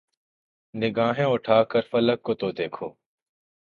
نگاھیں اٹھا کر فلک کو تو دیکھو